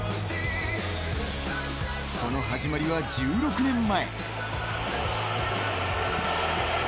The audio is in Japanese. その始まりは１６年前。